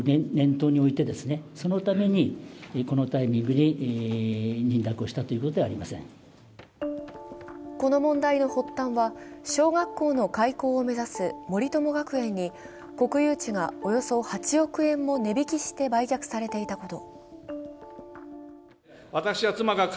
鈴木財務大臣はこの問題の発端は小学校の開校を目指す森友学園に国有地がおよそ８億円も値引きされて売却されていたこと。